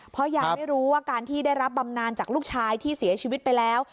เพราะยายไม่รู้ว่าการที่ได้รับบำนานจากลูกชายที่เสียชีวิตไปแล้ว